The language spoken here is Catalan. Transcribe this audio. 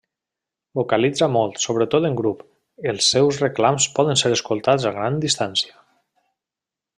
Vocalitza molt, sobretot en grup; els seus reclams poden ser escoltats a gran distància.